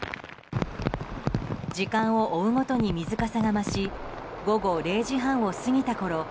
時間を追うごとに水かさが増し午後０時半を過ぎたころ